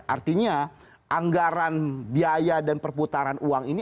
artinya anggaran biaya dan perputaran uang ini